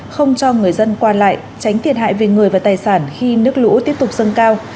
không cho người dân qua lại tránh thiệt hại về người và tài sản khi nước lũ tiếp tục dâng cao